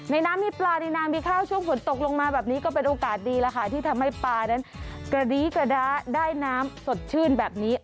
น้ำมีปลาในน้ำมีข้าวช่วงฝนตกลงมาแบบนี้ก็เป็นโอกาสดีแล้วค่ะที่ทำให้ปลานั้นกระดี้กระด้าได้น้ำสดชื่นแบบนี้